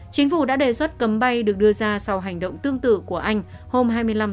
chính phủ đã đề xuất cấm bay được đưa ra sau hành động tương tự của anh hôm hai mươi năm một mươi một